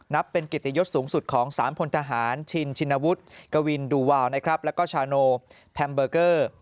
นับเป็นกิตยศสูงสุดของสามพลทหารชินชินวุฒิกวินดูวาวและชาโนแพมเบอร์เกอร์